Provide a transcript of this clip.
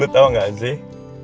lo tau gak sih